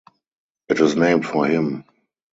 It is named for him.